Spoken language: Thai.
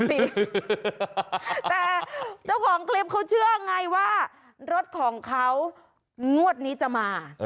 แต่เจ้าของคลิปเขาเชื่อไงว่ารถของเขางวดนี้จะมา